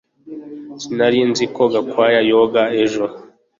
Sinari nzi ko Gakwaya yoga ejo